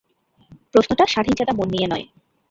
প্রশ্নটা স্বাধীনচেতা মন নিয়ে নয়।